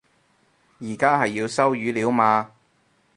而家係要收語料嘛